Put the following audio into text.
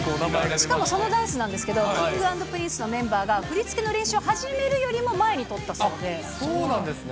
しかもそのダンスなんですけど、Ｋｉｎｇ＆Ｐｒｉｎｃｅのメンバーが振り付けの練習を始めるよりも前に撮っそうなんですね。